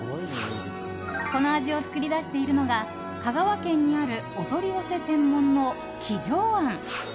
この味を作り出しているのが香川県にあるお取り寄せ専門の亀城庵。